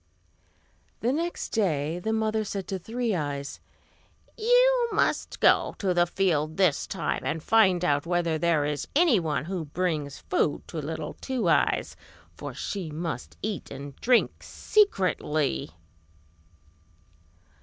The next day the mother said to Three Eyes, "You must go to the field this time, and find out whether there is anyone who brings food to little Two Eyes; for she must eat and drink secretly."